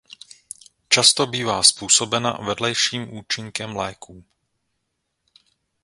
Často bývá způsobena vedlejším účinkem léků.